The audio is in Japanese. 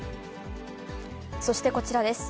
そしてこちらです。